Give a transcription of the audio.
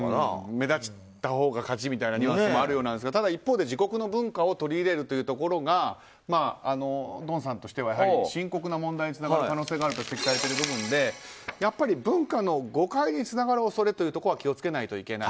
目立ったほうが勝ちみたいなニュアンスもあるようですがただ、一方で自国の文化を取り入れるというところがドンさんとしては深刻な問題につながる可能性があると指摘されている部分でやっぱり文化の誤解につながる恐れというのは気を付けないといけない。